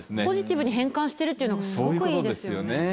ポジティブに変換してるというのがすごくいいですよね。